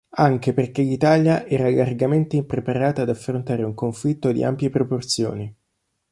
Anche perché l'Italia era largamente impreparata ad affrontare un conflitto di ampie proporzioni.